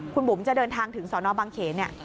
คุณบุ๋มจะเดินทางถึงสนบางเขนเนี่ย